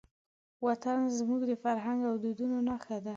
وطن زموږ د فرهنګ او دودونو نښه ده.